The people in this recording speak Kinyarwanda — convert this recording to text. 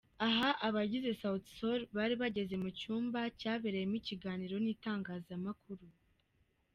Aha, abagize Sauti Sol bari bageze mu cyumba cyabereyemo ikiganiro n'itangazamakuru.